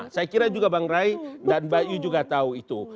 saya kira juga bang rai dan mbak yu juga tahu itu